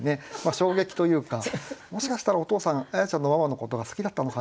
衝撃というか「もしかしたらお父さんあやちゃんのママのことが好きだったのかな」みたいなね